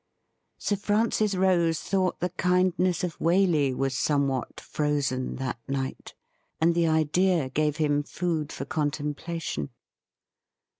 Sir Francis Rose thought the kindness of Waley was somewhat frozen that night, and the idea gave him food for contem plation.